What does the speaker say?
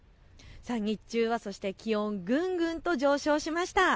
日中は気温がぐんぐん上昇しました。